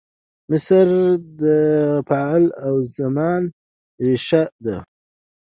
مصدر د فعل د زمان ریښه ده.